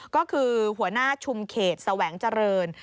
ก็คือหัวหน้าชุมเขตแสวงเจริญ